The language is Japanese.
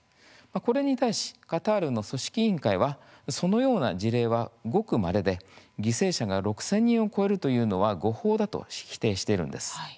これに対しカタールの組織委員会はそのような事例は、ごくまれで犠牲者が６０００人を超えるというのは誤報だと否定しているんです。